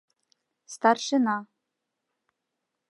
Старшина.